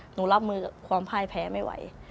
รับมือกับความพ่ายแพ้ไม่ไหว